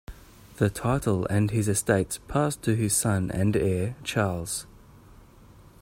The title and his estates passed to his son and heir Charles.